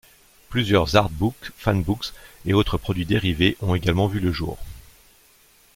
Plusieurs artbooks, fanbooks, et autres produits dérivés ont également vu le jour.